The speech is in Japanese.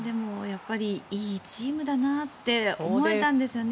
いいチームだなって思ったんですよね。